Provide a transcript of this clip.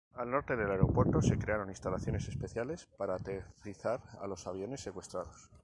Al norte del Aeropuerto se crearon instalaciones especiales para aterrizar a los aviones secuestrados.